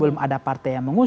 belum ada partai yang mengusung